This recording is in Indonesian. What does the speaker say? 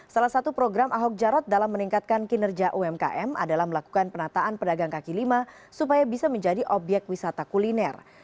salah satu program ahok jarot dalam meningkatkan kinerja umkm adalah melakukan penataan pedagang kaki lima supaya bisa menjadi obyek wisata kuliner